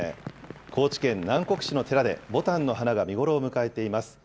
高知県南国市の寺でぼたんの花が見頃を迎えています。